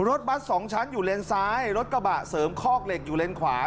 รถบัสสองชั้นอยู่เลนซ้ายรถกระบะเสริมคอกเหล็กอยู่เลนขวา